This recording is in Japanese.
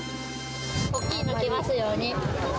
大きいの来ますように。